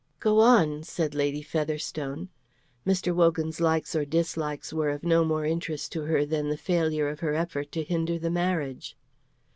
"Go on," said Lady Featherstone. Mr. Wogan's likes or dislikes were of no more interest to her than the failure of her effort to hinder the marriage.